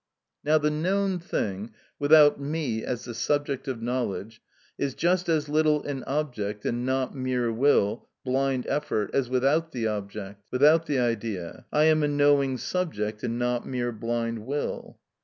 Now the known thing, without me as the subject of knowledge, is just as little an object, and not mere will, blind effort, as without the object, without the idea, I am a knowing subject and not mere blind will.